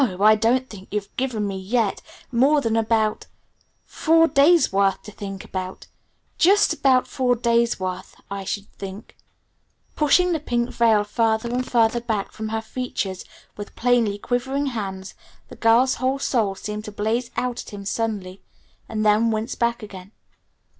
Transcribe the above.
I don't think you've given me, yet, more than about four days' worth to think about. Just about four days' worth, I should think." Pushing the pink veil further and further back from her features, with plainly quivering hands, the girl's whole soul seemed to blaze out at him suddenly, and then wince back again.